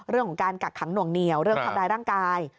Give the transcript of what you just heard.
เรื่องของการกักขังหน่วงเหนียวเรื่องทำร้ายร่างกาย